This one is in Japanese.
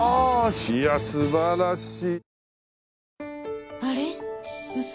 いや素晴らしい。